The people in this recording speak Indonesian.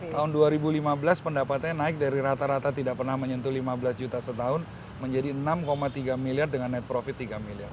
tahun dua ribu lima belas pendapatannya naik dari rata rata tidak pernah menyentuh lima belas juta setahun menjadi enam tiga miliar dengan net profit tiga miliar